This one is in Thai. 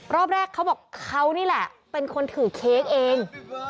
รอบแรกเขาบอกเขานี่แหละเป็นคนถือเค้กเอง